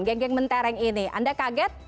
geng geng mentereng ini anda kaget